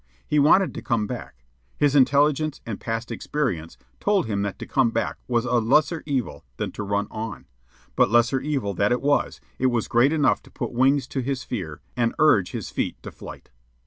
He wanted to come back. His intelligence and past experience told him that to come back was a lesser evil than to run on; but lesser evil that it was, it was great enough to put wings to his fear and urge his feet to flight.